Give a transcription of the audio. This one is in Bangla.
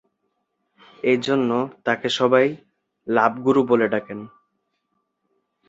এজন্য তাকে সবাই 'লাভ গুরু' বলে ডাকেন।